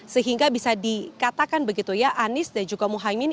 sehingga bisa dikatakan begitu ya anies dan juga muhaymin